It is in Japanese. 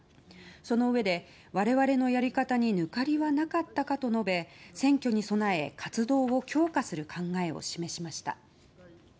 そのうえで、我々のやり方に抜かりはなかったかと述べ選挙に備え、活動を強化する考えを示しました。